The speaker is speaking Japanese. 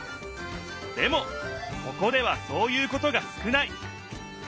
でもここではそういうことが少ない。